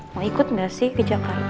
mau ikut nggak sih ke jakarta